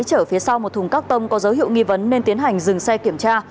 chở phía sau một thùng các tông có dấu hiệu nghi vấn nên tiến hành dừng xe kiểm tra